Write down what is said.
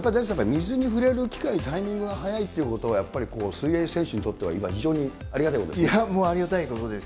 やっぱり大地さん、水に触れる機会、タイミングがはやいということは、やっぱり、水泳選手にとっては、今、非常にありがたいことですよね。